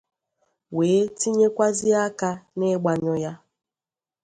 wee tinyekwazie aka n'ịgbanyụ ya.